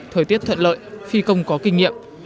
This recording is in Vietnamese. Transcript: thời tiết thuận lợi phi công có kinh nghiệm